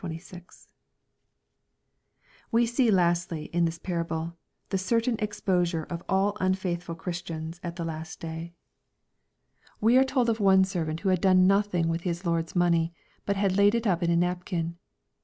We see, lastly, in this parable, the certain exposure of all unfaithful Christians at the last day. We are told of 302 EXPOSITORY THOUGHTS. one servant who had done nothing with his lord's money, but had laid it up in a napkin."